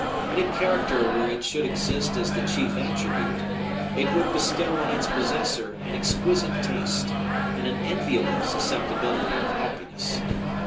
In a character where it should exist as the chief attribute, it would bestow on its possessor an exquisite taste, and an enviable susceptibility of happiness.